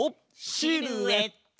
シルエット！